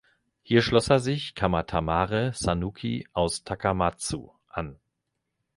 Hier schloss er sich Kamatamare Sanuki aus Takamatsu an.